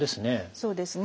そうですね。